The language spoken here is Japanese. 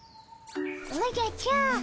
おじゃちゃー。